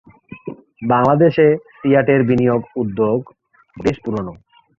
বাংলাদেশে সিয়াটের বিনিয়োগ উদ্যোগ বেশ পুরোনো।